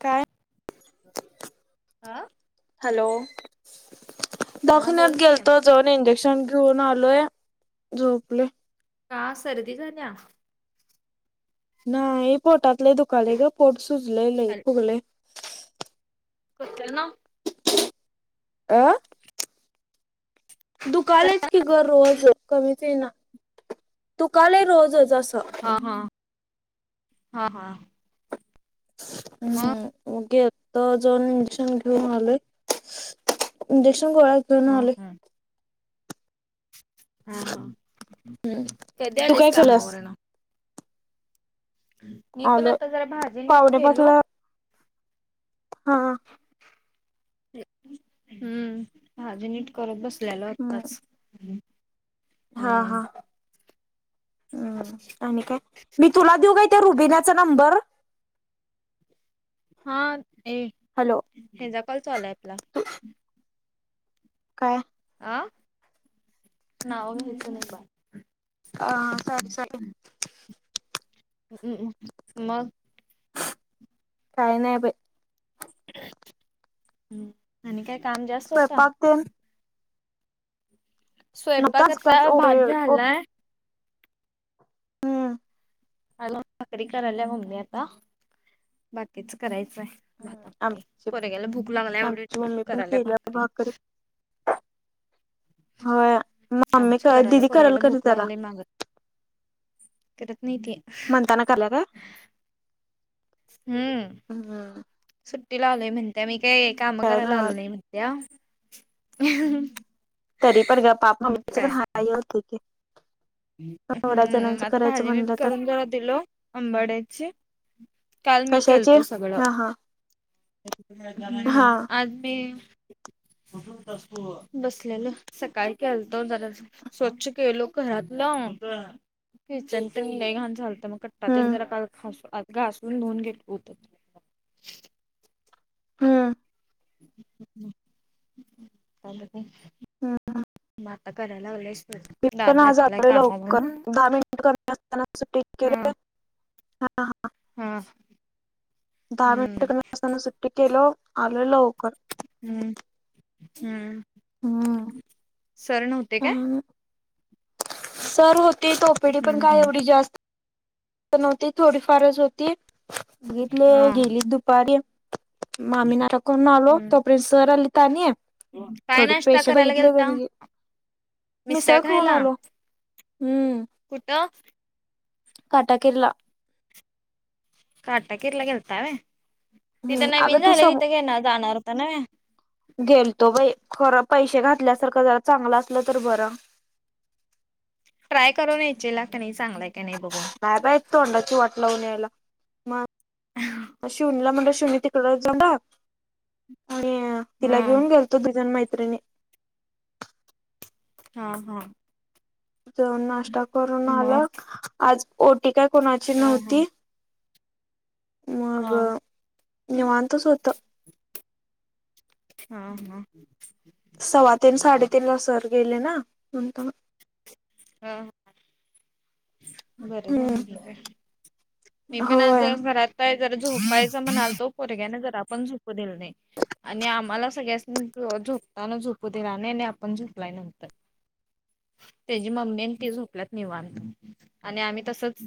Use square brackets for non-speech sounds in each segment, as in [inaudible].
काय? आं? हॅलो हा बोल दवाखान्यात की गेलतो. जाऊन इंजेक्शन घेऊन आलोय झोपलोय. का सर्दी झाल्या? नाही पोटात लय दुखायला ग पोट सुजलय लयी फुगलय. कशान? आ.? दुखायलच ग की रोज कमीच येईना दुखायला रोजच असं. हा हा हा हा..... मग हम्म मग गे तो जाऊन इंजेक्शन घेऊन आलोय इंजेक्शन गोळ्या घेऊन हा आलोय. हा..... हा हा हम्म कधी तू आलीस काय केल्यास? कामावर न? मी पण आलोय आता जरा भाजी नीट पावणे केलो. पाचला हा... हम्म... भाजी निट करत बसलेलो हम्म आताच. हा हा. हम्म नाही. [unintelligible] आणि काय मी तुला देऊ का त्या रुबिनचा नंबर? हा दे. हॅलो... हे जा कॉल चालूय आपला काय? आ नाव घ्यायचं नाही बाळ आ सॉरी सॉरी हम् मग काय नाही बाई. ह् आणि काय काम जास्त होता? स्वयंपाक तेन स्वयंपाक नव्हताच आता काच ओ भात झालाय. हम्म् हॅलो भाकरी करायला मम्मी आता बाकीच करायचंय. भाता आमटी आमची पोरग्याला भूक लागला आमची म्हणुन मम्मी पण करायला केल्या भाकरी होय. मम्मी आमची करायला दिदी करल पोरग्याला कधी भूक जरा लागलय माग करत नाही ती. म्हणतान करायल्या काय? हम्म हम्म सुट्टीला आलोय म्हणताय मी काय काम काय करायला नव्ह आलो नाही म्हणत त्या तरी पण ग पाप मम्मीच पण हाल लई होतय की- एवढ्या हम्म मग जणांच आता करायचं भाजी नीट म्हणलं तर करून जरा दिलो. आंबाड्याची काल मी कशाची केलतो सगळं. हा हा हा हम् आज बी बसलेलं सकाळी केलतो जरास स्वच्छ केलो घरात. ल किचन तेन लयी घाण झालत मग कट्टा तेन हम्म जरा काल खास घासून धुऊन घेत होत हम्म काय करताय हम्म मग आता करायला लावलास मी पण आज आलोय लवकर दहा मिनिट कमी असताना सुट्टी हा केलोय हा हा हा दहा हम्म मिनिट असताना सुट्टी टि केलो आलोय लवकर. हम्म हम्म सर नव्ह ह सर होती तोपेडी पण हम्म काय हम्म एवढी जास्त नव्हती थोडी फारच होती बघितले हा गेली दुपारी मामी नाक नालो हम्म त प्रिनसर अ लिता निय काय थोडे नाश्ता पैसे करायला घेतले गेलता? मिसळ खाऊन आलो हम्म कुठ काटा केेरला काटाकिरला गेलतव तथ हम्म अगं नवीण ते झाले त सम त्यागे ना जाणारता नव गेलतो बाई खर पैसे घातल्यासारखं जरा चांगलं असलं तर बरं ट्राय करून यायची लाट नाही चांगलाय काी नाही बघून हा बाई तोंडाची वाट लावून यायला मग शिवानी ला म्हणल श ड जा आणि हा तिला घेऊन गेल तो दुजण मैत्रिणी हा हा त नाश्ता करून आलं मग आज ओटी काय कोणाची हा हा नव्हती मग हा निवतच होत हा हा सव्वातीन साडेतीन ला सर गेले ना न अ बरं हम्म झागलं मी पण आज होय घरात जर झोपायच म्हणालतो पोरग्याने जर पण झ ल नाही आणि आम्हाला सगळ्या झुपताना झोपू दिला नाही नाही आणि आपण झुपलाय नंतर त्याची मम्मी आणि ते झोपल्यात निवान आणि आम्ही तसच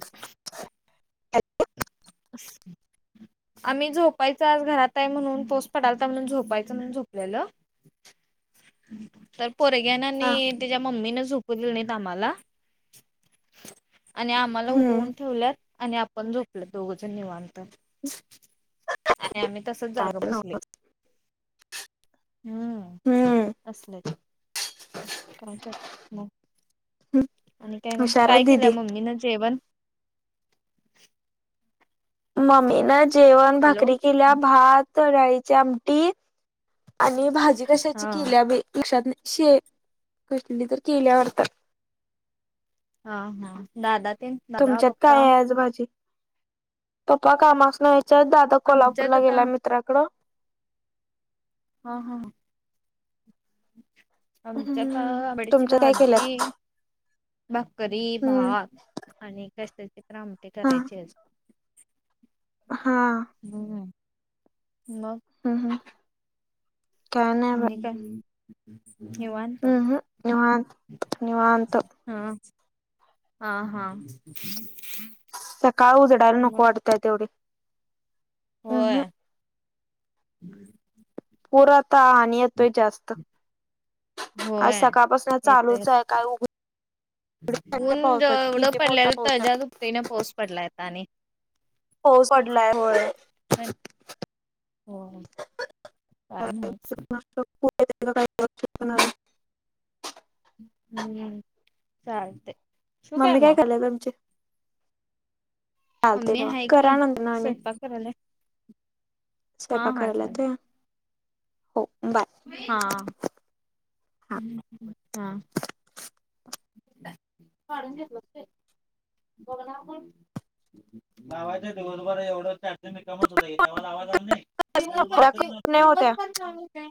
आम्ही झोपायच आज घरात आहे म्हणून पोस पडालता म्हणून झोपायच म्हणून झोपलेलं तर पोरग्याना आणि त्याच्या मम्मीन झोपू नाही दिलं तमा्हाला आणि आम्हाला हम्म उठवून ठेवल्यात आणि आपण झोपल दोघ जण निवांत आणि आम्ही तसच काय जागा बसलोय नव्हच. हम्म असलेच काय कर मग हम् आणि काय मग काय केलं मम्मी ना जेवण मम्मी ना जेवण हॅलो. भाकरी केल्या भात तराळीची आमटी आणि भाजी कशाची हा केिल्या बी पक्षात शे कसली तर केल्यावरतात हा हा दादा तीन तुमच्यात काय आहे आज भाजी पप्पा कामासन च दादा कोल्हापूर आमच्यात ला आता गेला मित्राकडं हा हा आमच्यात हम्म आबडीची तुमच्या काय केल्यात भाजी भाकरी हम्म भात आणि कशाचे काम ते हा करायचे हा हम्म म हम् हम आणि काय निवांत हम्म हम्म निवांत निवांत हा हा हा मग तेवढे होय पुरात आणि येतोय जास्त आज होय सकाळपासून येतोय चालूच हाय काय उघ ऊन पावसाची जवढं किती मोठा पडल्याल पाऊस तेज्या आहे दुपटने पाऊस पडलाय आणि होय, पडलाय होय हो काय माहित [inaudible] हम्म, चालतंय ठेवू मम्मी मग? काय करालीया तुमची? चालतंय मम्मी ठेवा, आहे करा की नंतर आणी. स्वयंपाक करायला हा स्वयपाक हा कराल्यात होय, चालेल हो बाय हा हा हा, काढून घेतल्यात व्हय. बघणार कोण? लावायचं दिवसभर एवढ चार्जिंग रिकामं होता की तवा लावाय आला नाही? दिवसभर, नाही होत दिवसभर काय होतंय